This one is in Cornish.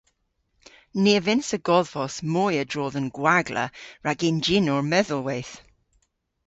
Ni a vynnsa godhvos moy a-dro dhe'n gwagla rag ynjynor medhelweyth.